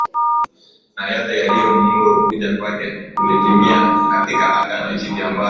nao yote niliyomwamuru Kuja kwake kulitimia katika Agano Jipya ambalo